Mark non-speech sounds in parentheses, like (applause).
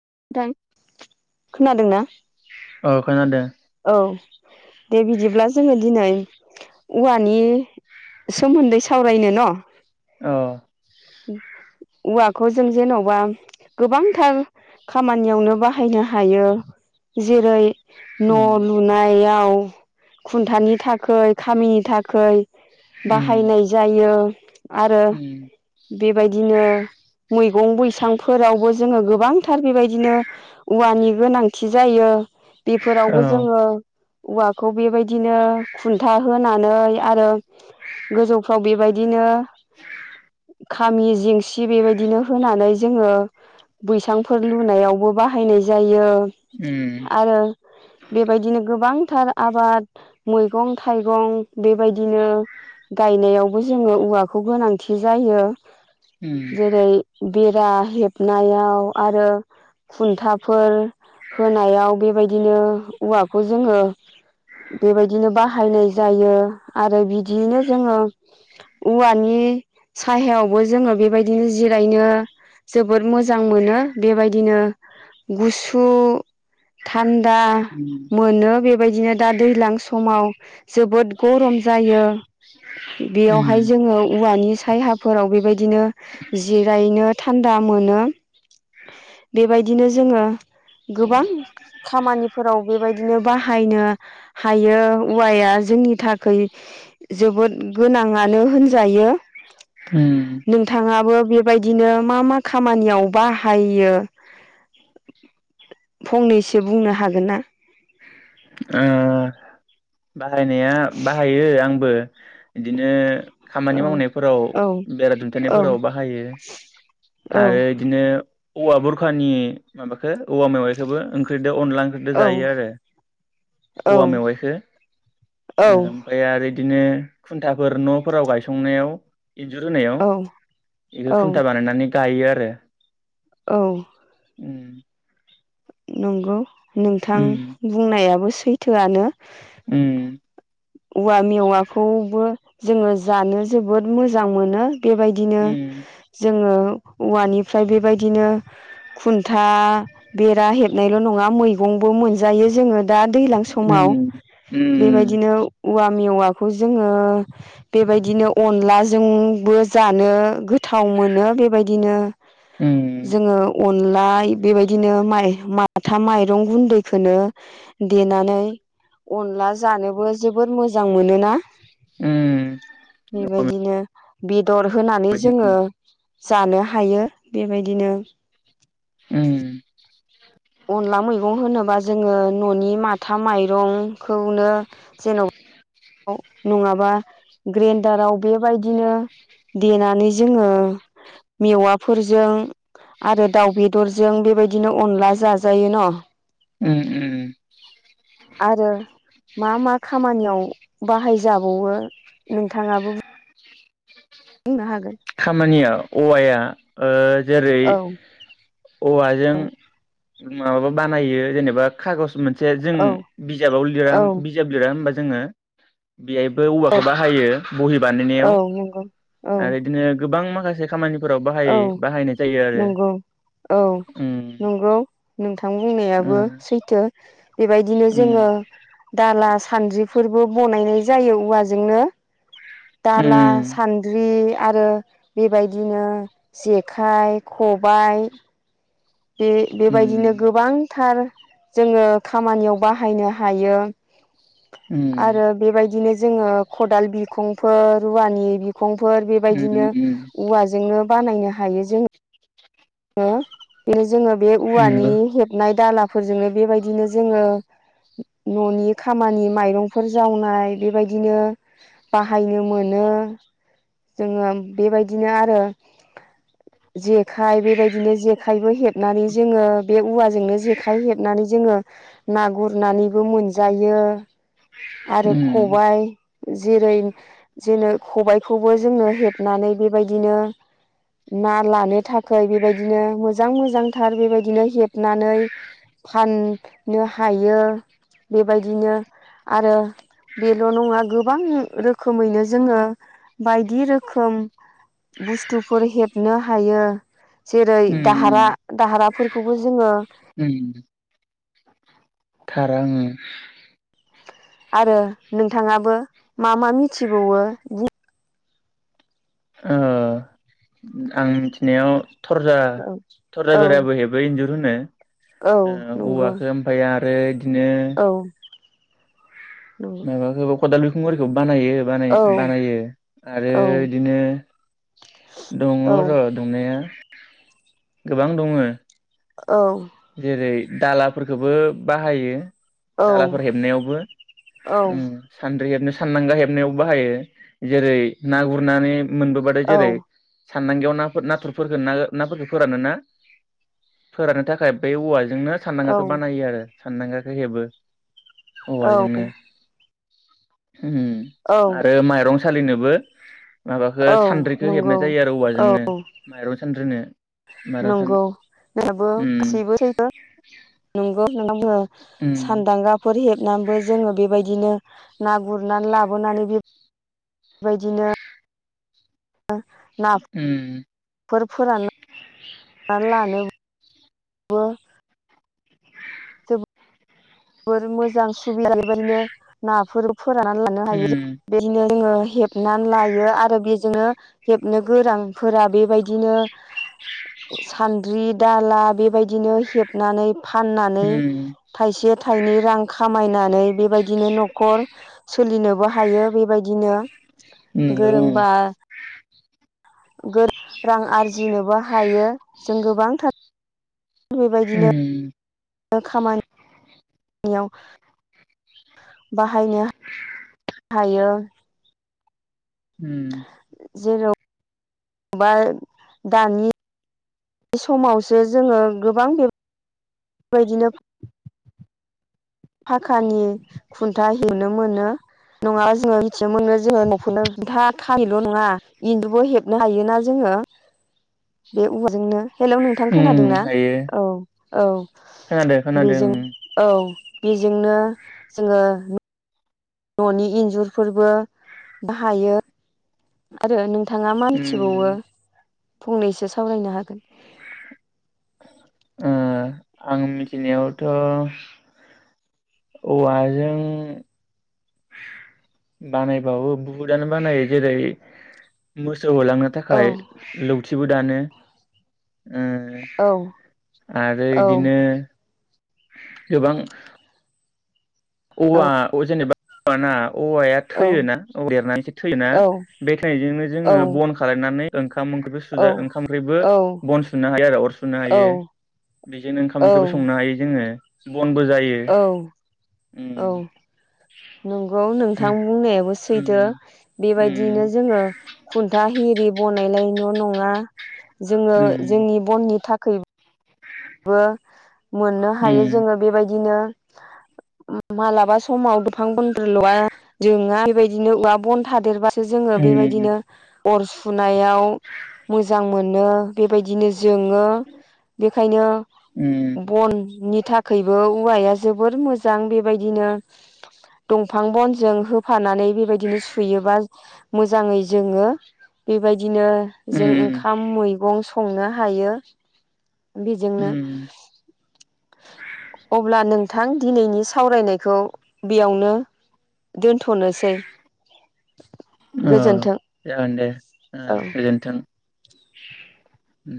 (unintelligible) खोनादोंना औ खोनादों। औ दे बिदिब्ला जोङो दिनै औवानि सोमोन्दै सावरायनो न औ औवाखौ जों जेनबा गोबांथार खामानियावनो बाहायनो हायो जेरै न उम लुनायाव खुन्थानि थाखाय खामिनि थाखाय। उम बाहायनाय जायो आरो उम बेबायदिनो मै गं बैसांफोरावबो जोङो गोबांथार बेबायदिनो औवानि गोनांथि जायो बे औ फोरावबो जोङो औवाखौ बेबायदिनो खुन्था होनानै आरो गोजौफ्राव बेबायदिनो खामि जेंसि बेबायदिनो होनानै जोङो बैसांफोर लुनायावबो बाहायनाय जायो। उम आरो बेबायदिनो गोबांथार आबाद मैगं थाइगं बेबायदिनो गायनायावबो जोङो औवाखौ गोनांथि जायो उम जेरै बेरा हेबनायाव आरो खुन्थाफोर होनायाव बेबायदि बिदिनो औवाखौ जोङो बेबायदिनो बाहायनाय जायो आरो बिदियैनो जोङो औवानि साहायावबो जोङो बेबायदिनो जिरायनो जोबोद मोजां मोनो बेबायदिनो गुसु थान दा उम मोनो बेबायदिनो दा दैज्लां समाव जोबोद गरम जायो बेयावहाय उम जोङो औवानि सायहा फोराव बेबायद दिनो जिरायनो था थान्दा मोनो बेबायदिनो जोङो गोबां खामानिफोराव बेबायदिनो बाहायनो हायो औवाया जोंनि थाखाय जोबोद गोनाङानो होनजायो उम नोंथाङाबो बे बेबायदिनो मा मा खामानियाव बाहायो फंनैसो बुंनो हागोन ना? ओ बाहायनाया बाहायो आंबो इदिनो खामानि औ मावनायफोराव औ बेरा औ दुमथेनायफोराव बाहायो औ आरो इदिनो औवा बुरखानि माबा खो औवा मेवाइखौबो ओंख्रिदो अनला ओंख्रिदो औ जायो आरो औवा मेवाइखौ ओ औ ओमफ्राय आरो बिदिनो खुन्थाफोर नफोराव गायसंनायाव इन्जुर होनायाव औ बेखौ औ खुन्था बानायनानै गायो आरो । औ । उम नंगौ नोंथां उम बुंनायाबो सो सैथोआनो उम औवा मेवाखौबो जोङो जानो जोबोद मोजां मोनो बेबायदिनो उम जोङो औवानिफ्राय बेबायदिनो खुन्था बेरा हेबनायल' नङा मैगंबो मोनजायो जोङो दा दैलां उम समाव उम बेबायदिनो औवा मेवाखौ जोङो बेबायदिनो अनलाजोंबो जानो गोथाव मोनो बेबायदिनो । जोङो अनलाय बेबायद दिनो माइ माथा माइरं गुन्दैखोनो देनानै अनला जानोबो जोबोर मोजां मोनोना उम बेबायदिनो । बिद दर होनानै जोङो उम जानो हायो बेबायदिनो । उम अनला मैगं होनोबा जोङो न'नि माथा माइरंखौनो जेनब नङाबा ग्रेन्द्रराव बेबायदिनो देनानै जोङो मेवाफोरजों आरो दाव बेदरजों बेबायदिनो अनला जाजायो न' । उम आरो मा मा खामानियाव बाहायजाबावो नोंथाङाबो बुंना हागोन । खामानिया औवाया ओ जेरै औ औवाजों औ माबा बानायो जेनेबा खागज मोनस से जों औ बिजाबाव लिराम औ बिजाब लिरा होमबा जोङो बेहायबो औ औवाखौ बाहायो बहि बानायनायाव औ नंगौ औ आरो ए गोबां माखासे खामानि औ नंगौ औ उम नंगौ नोंथां बुंनायाबो उम सैथो । बेबायदिनो जोङो दाला सानद्रिब फोरबो बनायनाय जायो औवाजोंनो । दाला उम सानद्रि आरो बेबायदिनो जेखाइ खबाइ बे-बेबायदिनो उम गोबांथार जोङो खामानियाव बाहायनो हायो। उम आरो बेबायदिनो जोङो खदाल बिखंफोर रुवानि बि खंफोर उम उम बेबायदिनो उम औवाजोंनो बानायनो हायो जो- ङो (unintelligible) जोङो बे औवानि नंगौ हेबनाय दालाफोरजोंनो बेबायदिनो जोङो न'नि खामानि माइरंफोर जावनाय बेबायदिनो बाहायनो मोनो जोङो बेबायदिनो आरो जेखाइ बे बायदिनो जेखायबो हेबनानै जोङो बे उवा जोंनो जेखाय हेबनानै जोङो ना गुरनानैबो मोनजायो। आरो उम खबाय जेरै जेनो खबाइखौबो जोंनो हेबनानै बेबायदिनो ना लानो थाखाय बे बेबायदिनो मोजां मोजांथार बेबायदिनो हेबनानै फाननो हायो बेबायदिनो आरो बेल' नङा गोबां रोखोमैनो जोङो बायदि रोखोम बुस्थुफोर हेबनो हायो। जेरै उम दाहारा-दाहारा फोरखौबो जोङो उम थार आङो। आरो नोंथाङाबो मा-मा मिथिबावो बुं ओ आं मिथिनायाव थरजा-थरजा औ बेराबो हेबो इन्जुर (unintelligible) ओ औ नंगौ औवाखौ ओमफ्राय आरो बिदिनो औ नंगौ माबाखौ खदाल बिखुंआरिखौ बानायो औ बानाय-बानायो आरो औ बिदिनो दङ' औ र' दंनाया। गोबां दङो। औ दालाफोरखौबो बाहायो। औ दालाफोर हेबनायावबो औ उ सान्द्रि हेबनो सानदांगा हेबनायावबो बाहायो जेरै ना गुरनानै मोनबो बादाय जेरै साननांगायाव नाफोर नाथुरफोरखौ ना नाफोरखौ फोरानो ना फोराननो थाखाय। बे औवा जोंनो औ सानदांगाखौ बानायो आरो। सानदांगाखो हेबो। औवाजोंनो। औ उम आरो माइरं। सालिनोबो। माबाखो औ सान्द्रिखो नंगौ हेबनाय जायो आरो औवाजोंनो औ माइरं सान्द्रिनो माइरं सान उम। (unintelligible) सान्दांगा उम फोर हेब। नाबो जोंङो बेबायदिनो ना गुरना लाबोनानै बे बायदिनो। (unintelligible) उम बो (unintelligible) ना फोर फोराननानै लानो हायो उम बेदिनो जोंङो हेबनानै लायो आरो बेजोंनो हेबनो गोरोंफोरा बेबायदिनो सानद्रि। दाला बेबायदिनो हेबनानै। फाननानै उम थाइसे थायनै रां खामायनानै। बेबायदिनो नखर सोलिनोबो हायो बेबायदिनो नंगौ गोरोंबा गो रां आरजि जिनोबो हायो जों गोबांथार उम। खामा। नियाव बाहायनो। हायो। उम। जेराव बा दानि समावसो जोंङो गोबां बे बेबायदिनो फाखानि खुन्था हेबनो मोनो नङाबा जोंङो मिथिनो मोनो जोंङो (unintelligible) दा खामिल नङा इन्जुरबो हेबनो हायोना जोंङो बे औवाजोंनो। हेलौ नोंथां उम खोनादोंना हायो औ औ खोनादों खोनादों बेजों औ बेजोंनो जोंङो ननि इन्जुरफोरबो बाहायो। आरो नों थांङा मा‌नथिबावो। उम फंनैसो सावरायनो हागोन। ओ आं मिथिनायावथ' औवाजों बानायबाबो बुहुदानो बानायो जेरै मोस सौ होलांनो औ थाखाय लौ थिबो दानो। उ औ आरो औ इदिनो गोबां औव जेनेबा बाना औवाया औ थैयोना औ देरनानैसो थैयोना औ बेखायनो औ जोङो बन खालायनानै ओंखाम ओंख्रिबो औ सुजा ओंखाम ओंख्रिबो औ बन सुनो हायो आरो अर सुनो हायो बेजोंनो ओंखाम औ ओंख्रिबो संनो हायो जोङो । बनबो जायो। औ उ। औ नंगौ नोंथां बुंनायाबो सैथो उम बेबायदिनो उम जोङो खुन्था हेरि बनायनाय न' नङा जोङो उम जोंनि बननि थाख खै बो मोननो हायो उम जोङो बेबायदिनो मालाबा समाव बिफां बन्दोल' जोङा बेबायदिनो औवा बन थादेरबा जोङो उम बेबायदिनो अर सुनायाव मोजां मोनो बेबायदिनो जोङो बेखायनो उम बननि थाखायबो औवाया जोबोर मोजां बेबायदिनो दंफां बनजों होफानानै बेबायदिनो सुयोबा मोजाङै जोङो। बेबाय बिदिनो उम जों ओंखाम मैगं स संनो हायो। बेजोंनो उम अब्ला नों नोंथां दिनैनि सावरायनायखौ बेयावनो दोन्थ'नोसै ओ गोजोनथों। औ। उ